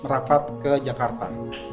merapat ke jakarta